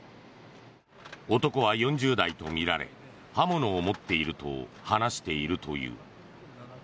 男は４０代とみられ刃物を持っていると話しているという。